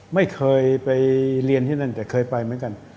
ไม่เคยไปเรียนที่นั่นแต่เคยไปเหมือนกัน